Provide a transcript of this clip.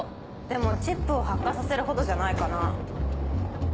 でもチップを発火させるほどじゃないかな。